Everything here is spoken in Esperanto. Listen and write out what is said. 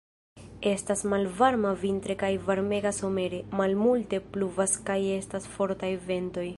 Estas malvarma vintre kaj varmega somere; malmulte pluvas kaj estas fortaj ventoj.